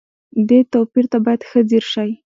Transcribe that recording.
دې توپير ته بايد ښه ځير شئ.